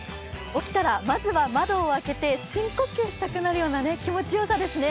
起きたらまずは窓を開けて深呼吸したくなるような気持ちよさですね。